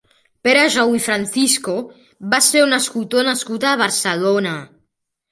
Pere Jou i Francisco va ser un escultor nascut a Barcelona.